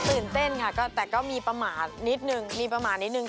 ตื่นเต้นค่ะแต่ก็มีประมาทนิดนึงมีประมาณนิดนึง